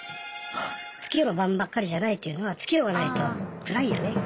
「月夜の晩ばっかりじゃない」というのは月夜がないと暗いよね